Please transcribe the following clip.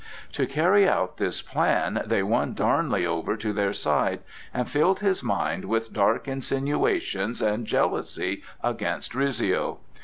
To carry out this plan they won Darnley over to their side, and filled his mind with dark insinuations and jealousy against Rizzio.